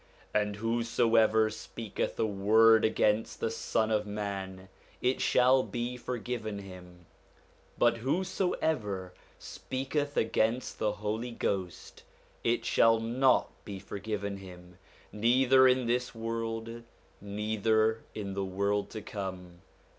And whosoever speaketh a word against the Son of man, it shall be forgiven him : but whosoever speaketh against the Holy Ghost, it shall not be forgiven him, neither in this world, neither in the world to come.'